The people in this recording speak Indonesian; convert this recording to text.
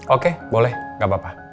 oke boleh gapapa